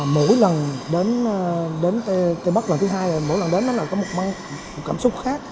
mỗi lần đến tây bắc lần thứ hai mỗi lần đến nó là có một cảm xúc khác